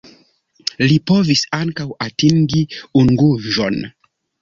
Li povis ankaŭ atingi Unguĵon.